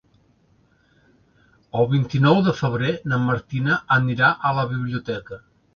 El vint-i-nou de febrer na Martina anirà a la biblioteca.